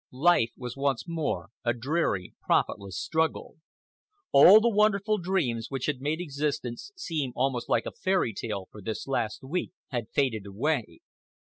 Life was once more a dreary, profitless struggle. All the wonderful dreams, which had made existence seem almost like a fairy tale for this last week, had faded away.